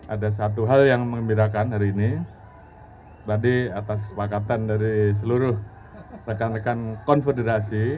ada satu hal yang mengembirakan hari ini tadi atas kesepakatan dari seluruh rekan rekan konfederasi